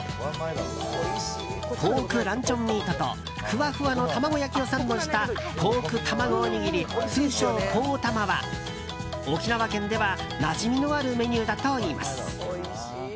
ポークランチョンミートとふわふわの卵焼きをサンドしたポークたまごおにぎり通称、ポーたまは沖縄県では、なじみのあるメニューだといいます。